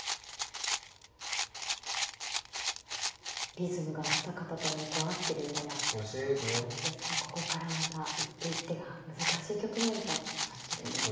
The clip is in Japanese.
リズムがお二方とも合ってるような感じですがここからまた一手一手が難しい局面となってるんですね。